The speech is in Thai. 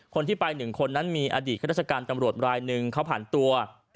คนที่ไป๑คนนั้นมีอดีตข้าราชการตำรวจรายหนึ่งเขาผ่านตัว